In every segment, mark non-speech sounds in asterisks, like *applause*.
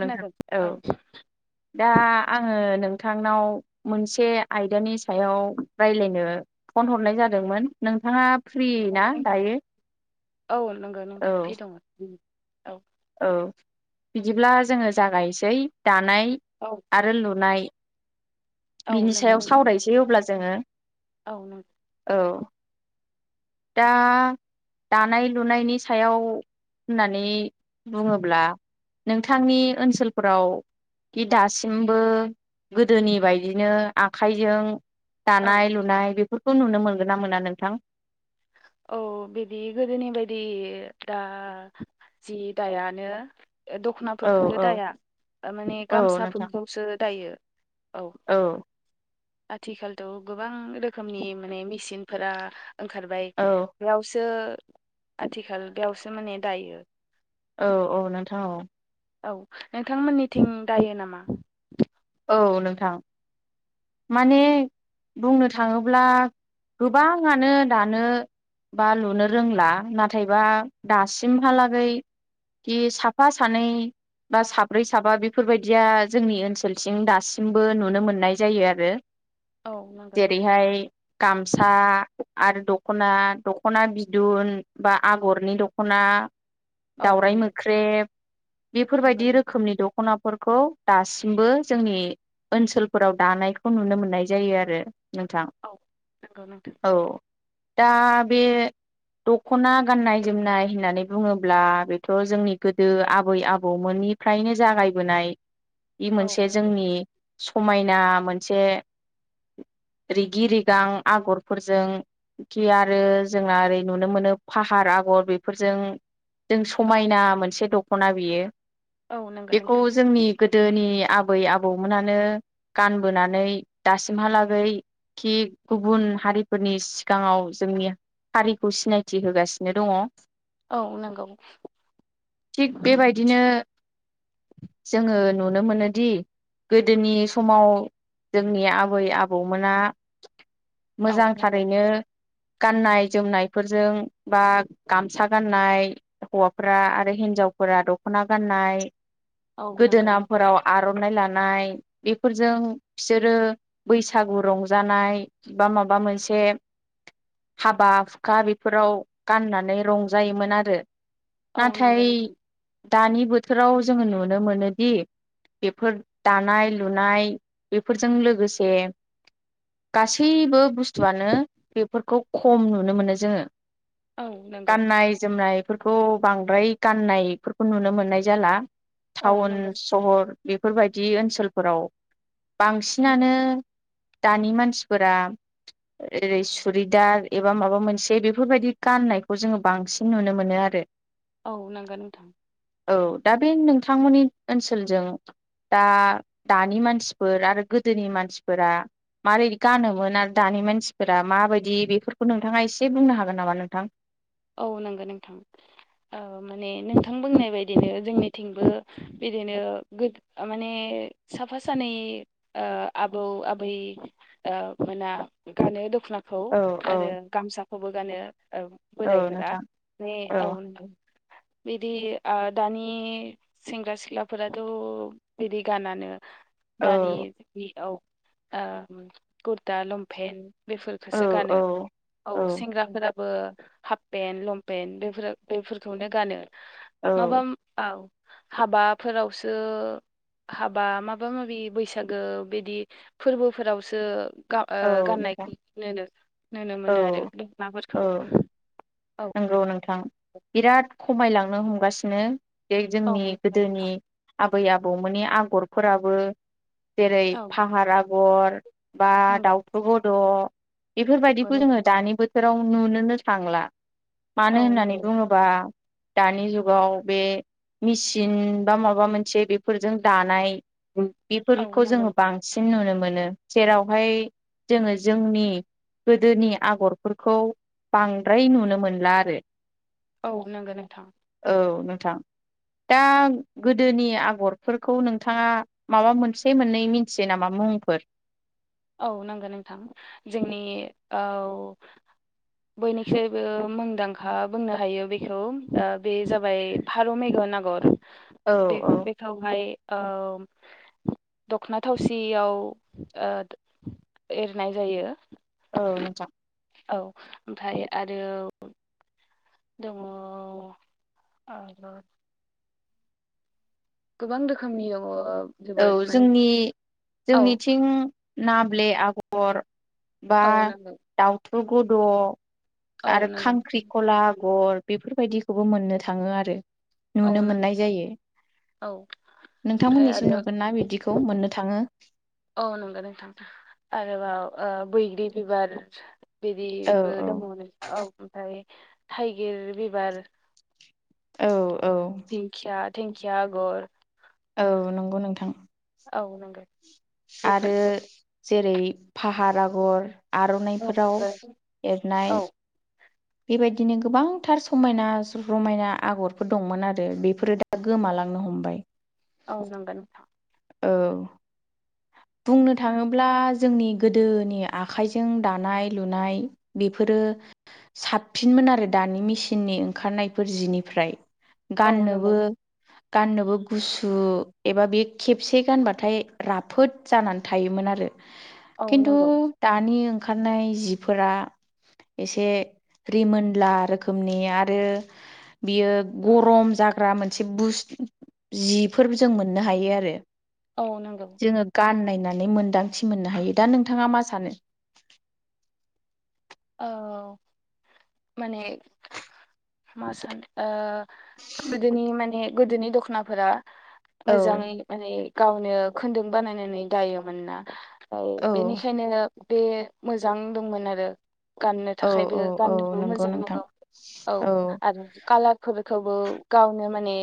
नोंथां औ दा आङो नों नोंथांनाव मोनसे आयदानि सायाव रायज्लायनो फन हरनाय जादोंमोन, नोंथाङा फ्रि *unintelligible* ना नोंथां दायो औ नंगौ औ नोंथां फ्रि दंमोन औ औ बिदिब्ला जोङो जागायनोसै दानाय औ आरो लुनाय, औ बिनि नंगौ सायाव नोंथां सावरायनोसै अब्ला जोङो, औ औ दा दानाय-लुनायनि सायाव होननानै बुङोब्ला, नोंथांनि ओनसोलफोराव खि दासिमबो गोदोनि बाय दिनो आखाइजों औ दानाय-लुनाय बेफोरखौ नुनो मोनगोन ना मोना नोंथां? औ बिदि गोदोनि बायदि दा, जि दायानो, औ दख'नाफोरखौथो औ दाया, माने औ नोंथां गामसाफोरखौसो दायो। औ आथिखालथ' गोबां रोखोमनि माने मेसिनफोरा ओंखार औ बेयावसो आथिखाल बेयावसो माने दायो। औ औ नोंथां औ औ नोंथांमोननिथिं दायो नामा? औ नोंथां माने बुंनो थाङोब्ला, गोबाङानो दानो, बा लुनो रोंला, नाथायबा दासिमहालागै, खि साफा-सानै, बा साब्रै-साबा बेफोरबायदिया जोंनि ओनसोल थिं दासिमबो नुनो मोननाय जायो आरो। औ नंगौ नोंथां जेरैहाय गामसा आरो दख'ना दख'ना, बिदुन, बा आगरनि दख'ना, औ दाउराइ नंगौ मोख्रेब, बेफोरबायदि नंगौ रोखोमनि दख'नाफोरखौ दासिमबो, जोंनि ओनसोलफोराव दानायखौ नुनो मोननाय जायो आरो नोंथां औ नंगौ नोंथां औ दा बे दख'ना गाननाय-जोमनाय होननानै बुङोब्ला बेथ' जोंनि गोदो आबै-आबौमोन, निफ्रायनो जागायबोनाय बे औ मोनसे नंगौ जोंनि, समायना मोनसे, *inaudible* रिगि-रिगां आगरफोरजों खि आरो जोंना ओरै नुनो मोनो फाहार आ गर बेफोरजों, जों औ समायना मोनसे दख'ना बियो औ नंगौ बेखौ नोंथां जोंनि गोदोनि आबै आबौमोनानो गानबोनानै दासिमहालागै खि गुबुन हारिफोरनि सिगांङाव जोंनि हारिखौ सिनायथि होगासिनो दंङ औ नंगौ थिग बेबायदिनो जोंङो नुनो मोनोदि गोदोनि समाव जोंनि आबै आबौमोना औ मोजां नंगौ थारैनो गाननाय जोमनायफोरजों बा गामसा गाननाय हौवाफोरा आरो हिनजाव फोरा दख'ना गाननाय औ नंगौ नों गोदोनाफोराव आर' आरनाय लानाय बेफोरजों फिसोरो बैसागु रंजानाय बा माबा मा मोनसे हाबा हुखा बेफोराव गाननानै रंजायोमोन आरो औ नाथाय नोंगोन दानि बोथोराव जोंङो नुनो मोनोदि बेफोर दानाय लुनाय बेफोरजों लोगोसे गासै बो बुस्थुआनो बेफोरखौ खम नुनो मोनो जोंङो औ नंगौ गाननाय जोमनाय बेफोरखौ बांद्राय गाननायफोरखौ नुनो मोननाय जाला औ टाउन नंगौ सहर बेफोरबायदि ओनसोलफोराव नंगौ बांसिनानो दानि मानसिफोरा ओरै सुरिदार एबा माबा मोनसे बेफोरबायदि गाननायखौ जोंङो बांसिन नुनो मोनो आरो औ नोंगोन नोंथां औ दा बे नोंथांमोननि ओनसोलजों दा दानि मानसिफोर आरो गोदोनि मानसिफोरा मारै गानोमोन आरो दानि मानसिफोरा माबायदि बेफोरखौ नोंथांङा एसे बुंनो हागोन नामा नोंथां औ नंगौ नोंथां औ माने नोंथां बुंनाय बायदिनो जोंनिथिंबो बिदिनो गोद माने साफा सानै ओ आबौ आबै औ मोना गानो दख'नाखौ औ औ आरो गामसाखौबो गानो औ बोरायफोरा ने औ बिदि आ दानि सेंग्रा सिख्लाफोराथ' बिदि गानानो औ दानि बि औ आ उम कुरता लंपेन्ट औ बेफोरखौसो औ गानो औ सेंग्राफोराबो हाफ पेन्ट लंपेन्ट बेफोरो बेफोरखौनो गानो माबा औ औ हाबाफोरावसो हाबा माबा माबि बैसागो बिदि फोरबो फोरावसो गा वो औ नोंथां गाननायखौ नोनो नुनो औ मोनो आरो दखनाफोरखौ औ औ नंगौ नोंथां बिराद खमायलांनो हमगासिनो बे औ जोंनि गोदोनि आबै आबौमोननि आगरफोराबो जेरै फाहार आगर बा नंगौ नोंथां औ नंगौ दाउथु बद' नंगौ बेफोरबायदिखौ जोंङो नोंथां। दानि बोथोराव नुनोनो थांला औ मानो होननानै नंगौ बुंङोबा दानि जुगाव बे मेचिन बा माबा मोनसे बेफोरजों दानाय औ बेफोरखौ नंगौ जोंङो बांसिन नुनो मोनो जेरावहाय जोंङो जोंनि गोदोनि आगरफोरखौ बांद्राय नुनो मोनला आरो औ नंगौ नोंथां औ नोंथां दा गोदोनि आगरफोरखौ नोंथांङा माबा मोनसे मोननै मिथियो नामा मुंफोर औ नांगौ नोंथां जोंनि औ बयनिख्रुइबो मुंदांखा बुंनो हायो बेखौ बे जाबाय फारौ मेगन नागर औ औ बेखौहाय दख'ना थावसियाव एरनाय जायो औ नोंथां औ ओमफ्राय आरो दङ आरो गोबां रोखोमनि जोबोद औ माने जोंनि औ जोंनिथिं नाब्ले आगर बा औ नंगौ दाउथु गुद' औ आरो नंगौ खांख्रि खलाब आगर बेफोर बायदिखौबो मोननो थाङो आरो औ नुनो नंगौ मोननाय जायो औ ओमफ्राय नोंथांमोननिसिम आरो न ना बिदिखौ मोननो थाङो औ नंगौ नोंथां आरोबाव बैग्रि बिबार औ बिदिबो औ दङमोन औ ओमफ्राय थाइगिर बिबार औ औ थेंकया थेंकया आगर औ नंगौ नोंथां औ नोंगौ आरो जेरै फाहार आगर औ आर'नाइफोराव एरनाय औ बेबायदिनो गोबांथार समायना रमायना आगरफोर दंमोन आरो बेफोरो दा गोमालाङो नो हमबाय औ नंगोन नोंथां औ औ बुंनो थाङोब्ला जोंनि गोदोनि आखाइजों दानाय लुनाय बेफोरो साबसिनमोन आरो दानि मेसिननि ओंखारनायफोर जिनिफ्राय औ नंगौ गाननोबो गाननोबो गुसु एबा बे खेबसे गानबाथाय राफोद जानानै थायोमोन आरो औ खिन्थु नंगौ दानि ओंखारनाय जिफोरा एसे रिमोनोनला रोखोमनि आरो बियो गरम जाग्रा मोनसे बुस जिफोर जों मोननो हायो आरो औ नांगौ गानायनानै मोनदांथि मोननो हायो दा नोंथाङा मा सानो ओ माने मा सान गोदोनि माने गोदोनि दख'नाफोरा औ मोजाङै माने गावनो खुन्दुं बानायनानै दायोमोन ना औ बेनिखायनो बे मोजां दंमोन आरो गाननो औ थाखायबो औ औ गानोबो नंगौ मोजां नोंथां नांगौ औ आरो कालारफोर खौबो गावनो माने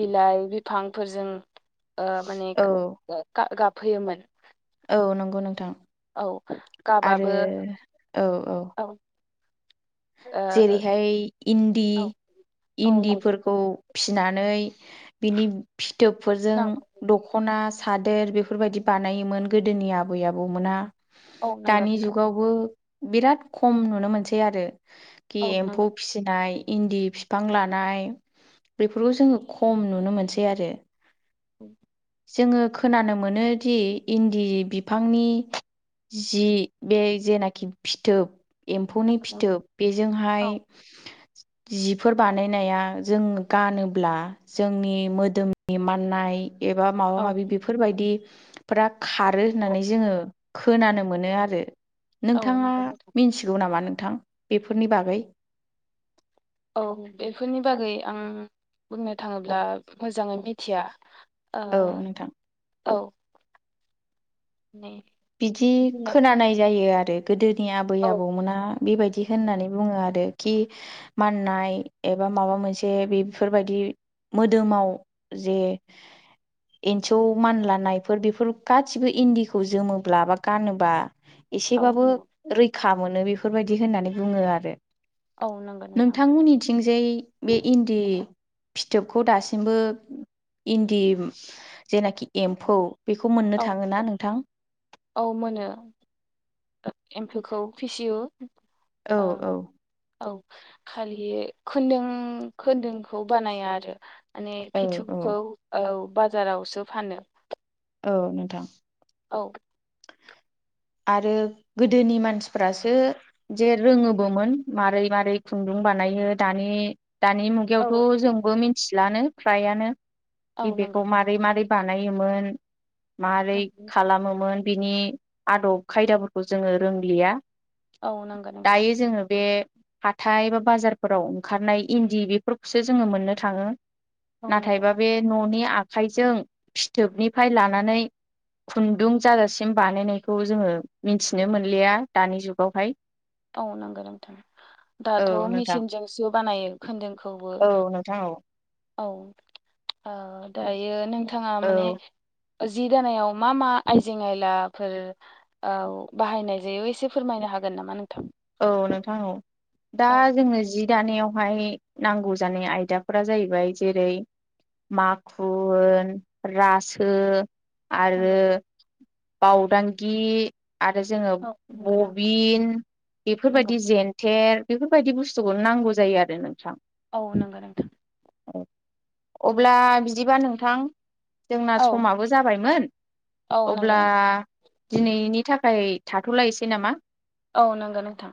बिलाइ बिफांफोरजों ओ माने औ गाबहोयोमोन औ नंगौ नोंथां औ आरो गाबाबो औ औ ओ जेरैहाय इन्दि औ नंगौ इन्दिफोरखौ फिनानै बिनि फिथोबफोरजों नंगौ दख'ना सादोर बेफोरबायदि बानायोमोन गोदोनि आबै आबौमोना औ नंगौ दानि नोंथां जुगावबो बिराद खम नुनो मोनसै आरो कि औ नंगौ एम्फौ फिसिनाय इन्दि बिफां लानाय बेफोरखौ जोङो खम नुनो मोनसै आरो औ जोङो खोनानो मोनोदि इन्दि बिफांनि जि बे जेनाखि फिथोब एम्फौनि नंगौ फिथोब औ बेजोंहाय *inaudible* जिफोर बानायनाया जों गानोब्ला जोंनि मोदोमनि माननाय एबा माबा औ माबि बेफोरबायदि फोरा खारो होननानै जोङो खोनानो मोनो आरो औ नोंथाङा नंगौ नोंथां मिनथिगौ नामा नोंथां बेफोरनि बागै? औ बेफोरनि बागै आं बुंनो थाङोब्ला मोजाङै मिथिया। ओ औ नोंथां। औ नै बिदि बुंनाय खोनानाय जायो आरो गोदोनि आबै औ आबौमोना बेबायदि होननानै बुङो आरो खि माननाय एबा माबा मोनसे बेफोरबायदि मोदोमाव जे एन्सौ मानलानायफोर बेफोर गासिबो इन्दिखौ जोमो ब्ला बा गानोबा औ एसेबाबो नंगौ रैखा मोनो बेफोरबायदि होननानै बुङो आरो औ नंगौ नोंथां नोंथांमोननिथिंजाय बे इन्दि फिथोबखौ दासिमबो इन्दि जेनाखि एम्फौ बेखौ मोननो औ थाङो ना नोंथां? औ मोनो एम्फौखौ फिसिउ। औ औ औ खालि खोनदु खोन्दोंखौ बानाया आरो। माने औ औ फिथोबखौ औ बाजारावसो फानो। औ नोंथां। औ आरो गोदोनि मानसिफ्रासो जे रोङोबोमोन मारै मारै खुन्दुं बानायो दानि दानि औ मुगायावथ' जोंबो मिथिलानो फ्रायानो औ बि नंगौ बेखौ मारै मारै बानायोमोन मारै खालामोमोन बिनि आदब खायदाफोरखौ जोङो रोंलिया औ नंगौ नोंथां दायो जोङो बे हाथाय बा बाजारफोराव ओंखारनाय इन्दि बेफोरखौसो जोङो मोननो थाङो। औ नांगोन नाथायबा बे न'नि आग खाइजों फिथोबनिफ्राय लानानै खुन्दुं जाजासिम बानायनाय खौ जोङो मिनथिनो मोनलिया दानि जुगावहाय औ नंगौ नोंथां औ दाथ' नोंथां मिसिनजोंसो बानायो खोनदोंखौबो औ नोंथां औ औ ओ दायो नोंथाङा औ माने जि दानायाव मा मा आइजें आयलाफोर औव बाहायनाय जायो एसे फोरमायनो हाग गोन नामा नों औ नोंथां औ दा औ जोंनो जि दानायावहाय नांगौ जानाय आयदाफोरा जाहैबाय जेरै माखुन रासो आरो नंगौ बावदांगि आरो जोङो औ नंगौ नोंथां बबिन नंगौ बेफोरबायदि जेन्थे थेर बेफोरबायदि बुस्थुखौनो नांगौ जायो आरो नोंथां। औ नंगौ नोंथां। औ अब्ला बिदिबा नोंथां जोंना औ समाबो जाबायमोन औ नंगौ अब्ला नों दिनैनि थाखाय थाथ'लायसै नामा? औ नंगो नोंथां।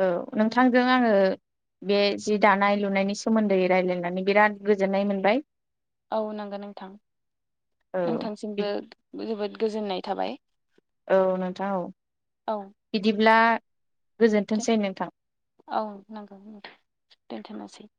औ नोंथांजों आङो बे जि दानाय लुनायनि सोमोन्दै रायज्लायनानै बिराद गोजोननाय मोनबाय। औ नंगौ नोंथां। औ नोंथांसिमबो जोबोद गोजोननाय थाबाय। औ नोंथां औ। औ बिदिब्ला गोजोनथोंसै नोंथां औ नांगौ दोनथ'नोसै।